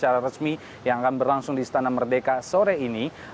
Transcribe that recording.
pada proses pertemuan bilateral secara resmi yang akan berlangsung di istana merdeka sore ini